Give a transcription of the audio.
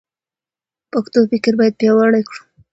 پښتو فکر باید پیاوړی کړو.